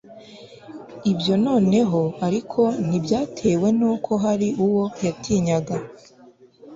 ibyo nanone ariko ntibyatewe n'uko hari uwo watinyaga